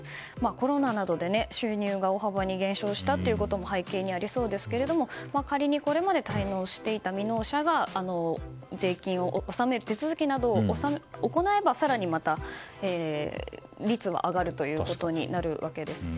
コロナなどで収入が大幅に減少したことも背景にありそうですけれども仮にこれまで滞納していた未納者が税金を納める手続きなどを行えば更にまた率は上がるということになるわけです。